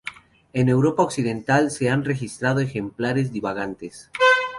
En Europa occidental se han registrado ejemplares divagantes.